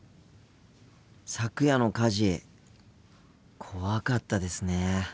昨夜の火事怖かったですね。